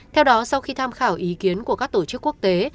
theo đó sau khi tham khảo ý kiến của các tổ chức quốc tế